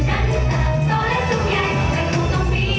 ใช้เวลาแล้วค่อยเป็นค่อยไป